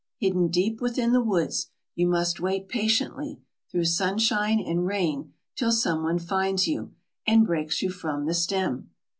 Hidden deep within the woods, you must wait patiently, through sunshine and rain, till some one finds you, and breaks you from the stem.